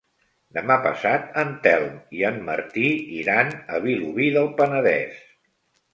Demà passat en Telm i en Martí iran a Vilobí del Penedès.